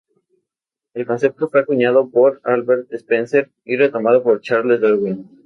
El concepto fue acuñado por Herbert Spencer y retomado por Charles Darwin.